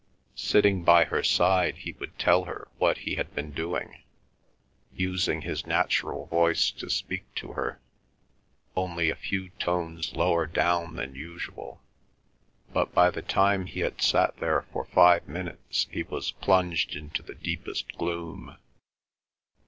Sitting by her side he would tell her what he had been doing, using his natural voice to speak to her, only a few tones lower down than usual; but by the time he had sat there for five minutes he was plunged into the deepest gloom.